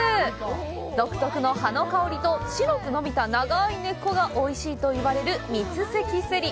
独特の葉の香りと白く伸びた長い根っこがおいしいと言われる三関セリ。